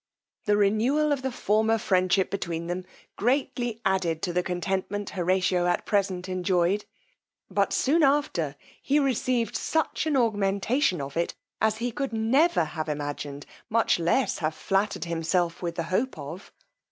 The renewal of the former friendship between them, greatly added to the contentment Horatio at present enjoyed; but soon after he received such an augmentation of it, as he could never have imagined, much less have flattered himself with the hope of.